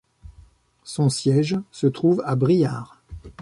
Son siège se trouve à Briare.